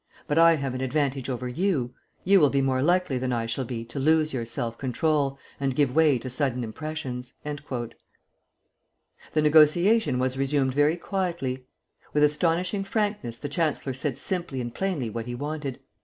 But I have an advantage over you, you will be more likely than I shall be to lose your self control and give way to sudden impressions." The negotiation was resumed very quietly. With astonishing frankness the chancellor said simply and plainly what he wanted.